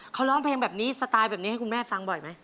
เขาร้องเพลงแบบนี้ให้คุณแม่ฟังบ่อยไหม